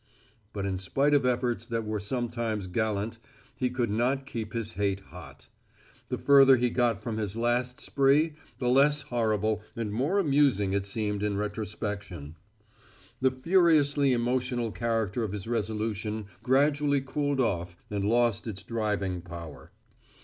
But in spite of efforts that were sometimes gallant he could not keep his hate hot. The further he got from his last spree, the less horrible and more amusing it seemed in retrospection. The furiously emotional character of his resolution gradually cooled off and lost its driving power.